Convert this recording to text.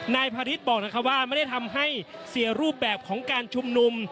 นายพาริสบอกนะคะว่าไม่ได้ทำให้เสียรูปแบบของการชุมนุม